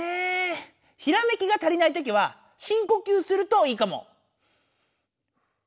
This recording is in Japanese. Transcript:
ひらめきが足りないときはしんこきゅうするといいかも。